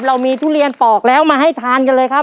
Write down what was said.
เรามีทุเรียนปอกแล้วมาให้ทานกันเลยครับ